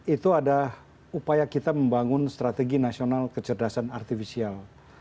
itu ada upaya kita membangun strategi nasional kecerdasan artificial